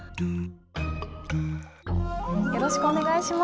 よろしくお願いします。